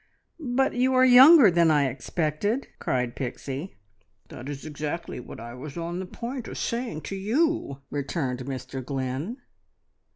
"But you are younger than I expected!" cried Pixie. "That is exactly what I was on the point of saying to you," returned Mr Glynn.